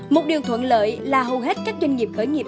một điều thuận lợi là hầu hết các doanh nghiệp khởi nghiệp